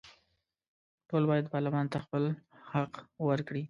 ټول باید پارلمان ته خپل حق ورکړي.